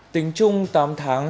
tỉnh trung tám tháng